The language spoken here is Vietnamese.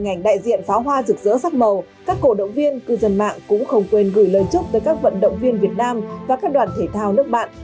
hình ảnh đại diện phá hoa rực rỡ sắc màu các cổ động viên cư dân mạng cũng không quên gửi lời chúc tới các vận động viên việt nam và các đoàn thể thao nước bạn